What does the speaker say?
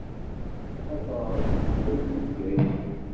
Ad teɣṛeḍ di tesdawit n Bgayet.